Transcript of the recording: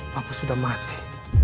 papa sudah mati